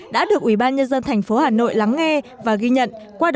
đã được ủy ban nhân dân thành phố hà nội lắng nghe và ghi nhận